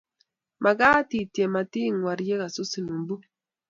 Makat itiem mating'war ye kasusin mbu